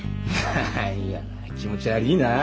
何や気持ち悪いな。